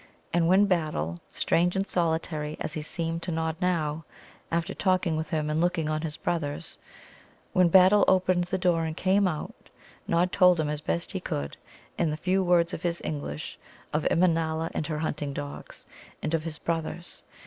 And when Battle strange and solitary as he seemed to Nod now, after talking with and looking on his brothers when Battle opened the door and came out, Nod told him as best he could, in the few words of his English, of Immanâla and her hunting dogs, and of his brothers.